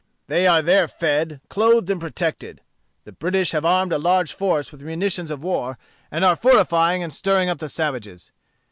They are there fed, clothed, and protected. The British have armed a large force with munitions of war, and are fortifying and stirring up the savages.